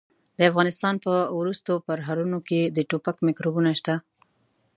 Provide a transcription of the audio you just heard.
د افغانستان په ورستو پرهرونو کې د ټوپک میکروبونه شته.